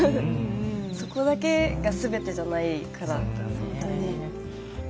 そこだけがすべてじゃないから。